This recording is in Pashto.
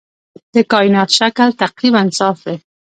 د کائنات شکل تقریباً صاف دی.